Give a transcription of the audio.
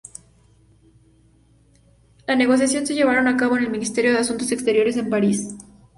Las negociaciones se llevaron a cabo en el Ministerio de Asuntos Exteriores en París.